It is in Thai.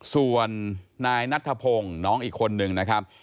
ส่วนนายนัทธพงศ์น้องอีกคนนึงนะครับ